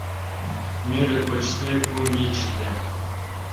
Мӧрӧ кочде, кум ий чытем